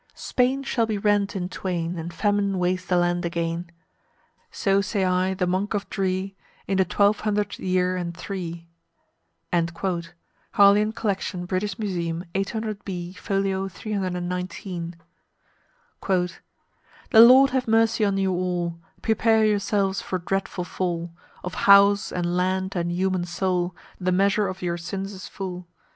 Spain shall be rent in twain, And famine waste the land again. So say I, the Monk of Dree, In the twelve hundredth year and three." Harleian Collection (British Museum), 800 b, fol. 319. "The Lord have mercy on you all Prepare yourselves for dreadful fall Of house and land and human soul The measure of your sins is full.